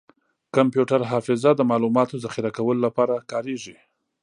کمپیوټر حافظه د معلوماتو ذخیره کولو لپاره کارېږي.